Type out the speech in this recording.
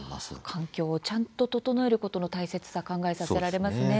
環境をちゃんと整えることの大切さ考えさせられますね。